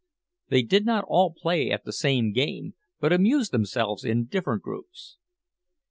They did not all play at the same game, but amused themselves in different groups.